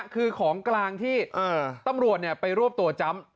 คือของกลางที่ตำรวจไปรวบตัวจำ